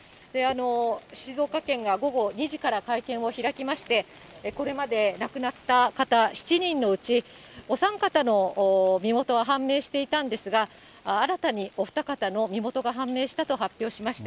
静岡県が午後２時から会見を開きまして、これまで亡くなった方７人のうち、お三方の身元は判明していたんですが、新たにお二方の身元が判明したと発表しました。